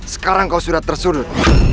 sekarang kau sudah tersudut